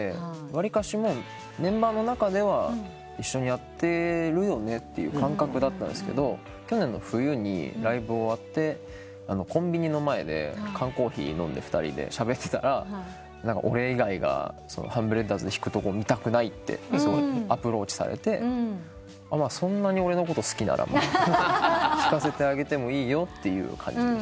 わりかしメンバーの中では一緒にやってるよねっていう感覚だったんですけど去年の冬にライブ終わってコンビニの前で缶コーヒー飲んで２人でしゃべってたら「俺以外がハンブレッダーズで弾くとこ見たくない」ってアプローチされて「そんなに俺のこと好きなら弾かせてあげてもいいよ」って感じで。